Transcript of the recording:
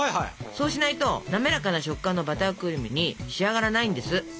そうしないと滑らかな食感のバタークリームに仕上がらないんです。